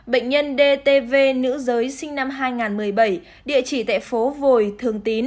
bệnh nhân dtv nữ giới sinh năm hai nghìn một mươi bảy địa chỉ tại phố